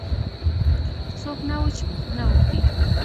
څوک نه وو چې پوښتنه وکړي.